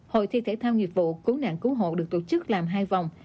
hội thi thể thao nghiệp vụ cố nạn cố hộ được tổ chức làm hai vùng đường